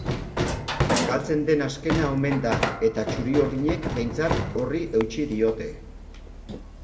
Galtzen den azkena omen da eta txuri-urdinek behintzat horri eutsi diote.